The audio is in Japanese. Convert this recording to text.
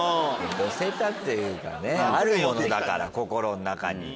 寄せたっていうかねあるものだから心の中に。